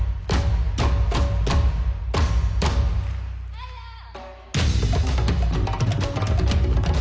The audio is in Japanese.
アイヤー！